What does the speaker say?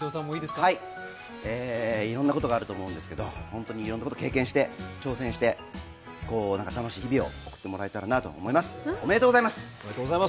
いろんなことがあると思うんですけどいろんなことに挑戦して、楽しい日々を送ってもらえたらなと思います。